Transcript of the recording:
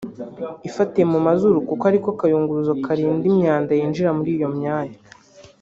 ifatiye mu mazuru kuko ari ko kayunguruzo karinda imyanda yinjira muri iyo myanya